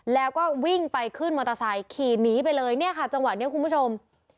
แล้วก็วิ่งไปขึ้นมอเตอร์ไซค์ขี่หนีไปเลยเนี่ยค่ะจังหวะนี้คุณผู้ชม